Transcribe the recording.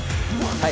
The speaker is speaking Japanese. はい！